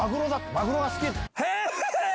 マグロが好き。